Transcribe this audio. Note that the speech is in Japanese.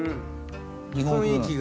雰囲気が。